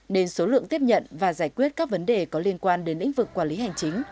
nên số lượng tiếp nhận và giải quyết các vấn đề có liên quan đến lĩnh vực quản lý hành chính